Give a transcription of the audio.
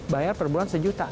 bayar perbulan sejuta